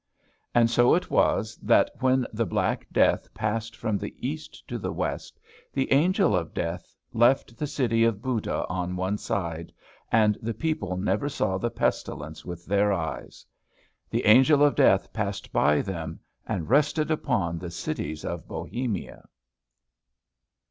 And so it was, that when the Black Death passed from the East to the West, the Angel of Death left the city of Buda on one side, and the people never saw the pestilence with their eyes. The Angel of Death passed by them, and rested upon the cities of Bohemia.